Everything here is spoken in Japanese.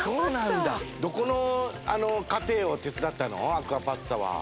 アクアパッツァは。